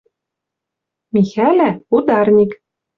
Михӓла — ударник